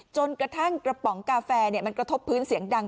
จนกระทั่งกระป๋องกาแฟมันกระทบพื้นเสียงดัง